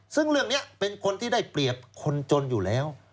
ซึ่งเรื่องนี้เป็นคนที่ได้เปรียบคนจนอยู่แล้ว